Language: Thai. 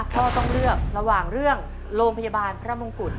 พ่อต้องเลือกระหว่างเรื่องโรงพยาบาลพระมงกุฎ